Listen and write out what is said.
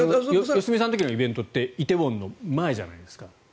良純さんの時のイベントって梨泰院の前じゃないですか。